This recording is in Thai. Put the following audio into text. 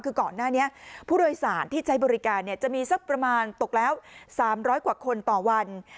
คือก่อนหน้านี้ผู้โดยสารที่ใช้บริการจะมีสักประมาณตกแล้ว๓๐๐กว่าคนต่อวัน